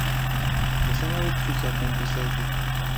Yasalawo okukyusa ku mpisa ze.